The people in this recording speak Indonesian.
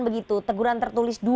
begitu teguran tertulis dua